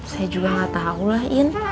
saya juga gak tau lah